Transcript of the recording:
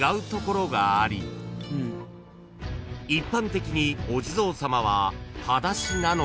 ［一般的にお地蔵さまは］